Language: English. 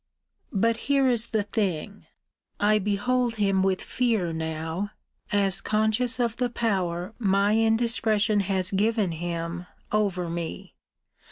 But here is the thing; I behold him with fear now, as conscious of the power my indiscretion has given him over me.